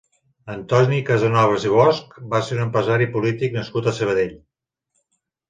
Antoni Casanovas i Bosch va ser un empresari i polític nascut a Sabadell.